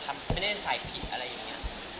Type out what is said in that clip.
ว่าไม่ได้ใส่ผิดอะไรอย่างนี้